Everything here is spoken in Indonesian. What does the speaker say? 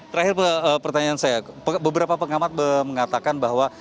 terakhir pertanyaan saya beberapa pengamat mengatakan bahwa